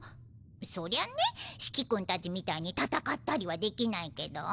そりゃねシキ君たちみたいに戦ったりはできないけど。